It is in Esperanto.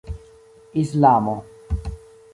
islamo